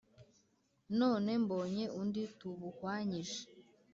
none mbonye undi tubuhwanyije”.